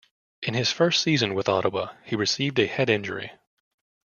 In his first season with Ottawa, he received a head injury.